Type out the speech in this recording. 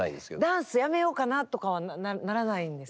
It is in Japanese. ダンスやめようかなとかはならないんですか？